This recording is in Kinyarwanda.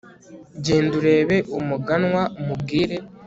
Genda urebe Umuganwa umubwire